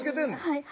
はい。